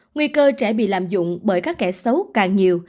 nguy cơ trẻ bị lạm dụng bởi các kẻ xấu càng nhiều